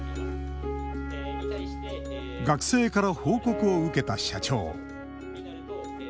学生から報告を受けた社長。